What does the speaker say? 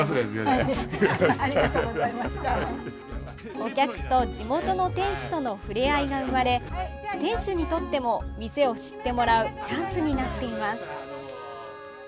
お客と地元の店主との触れ合いが生まれ店主にとっても店を知ってもらうチャンスになっています。